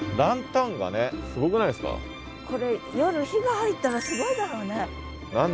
今回そのこれ夜火が入ったらすごいだろうね。